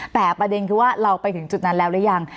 แต่ประเด็นคือว่าเราไปถึงจุดนั้นแล้วหรือยัง